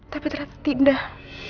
tapi ternyata tidak